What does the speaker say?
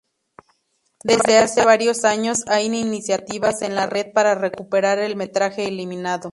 Desde hace varios años hay iniciativas en la red para recuperar el metraje eliminado.